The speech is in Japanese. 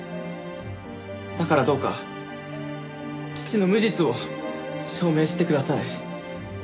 だからどうか父の無実を証明してください。